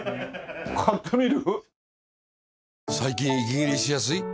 買ってみる？